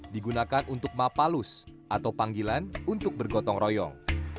digunakan untuk mapalus atau panggilan untuk bergotong royong